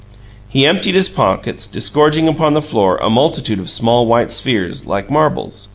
He emptied his pockets, disgorging upon the floor a multitude of small white spheres, like marbles.